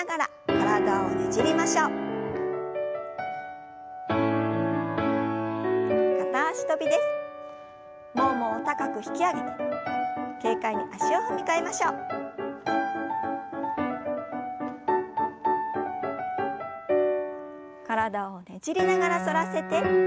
体をねじりながら反らせて斜め下へ。